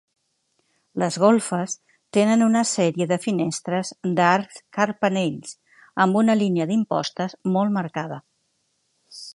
Les golfes tenen una sèrie de finestres d'arcs carpanells amb una línia d'impostes molt marcada.